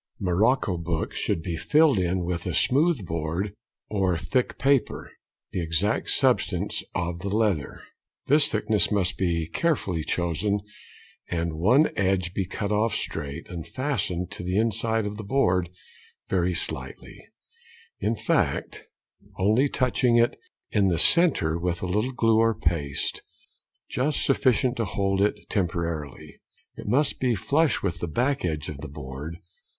Morocco books should be filled in with a smooth board or thick paper, the exact substance of the leather. This thickness must be carefully chosen, and one edge be cut off straight, and fastened to the inside of the board very slightly, in fact only touching it in the centre with a little glue or paste, just sufficient to hold it temporarily. It must be |98| flush with the back edge of the board.